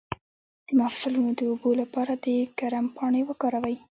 د مفصلونو د اوبو لپاره د کرم پاڼې وکاروئ